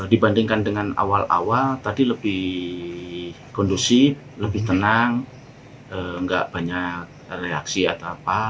dibandingkan dengan awal awal tadi lebih kondusif lebih tenang nggak banyak reaksi atau apa